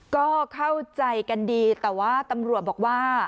ก็เข้าใจกันดีแต่ว่าตำรวจบอกว่า